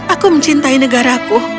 aku mencintai negaraku